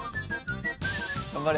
頑張れ。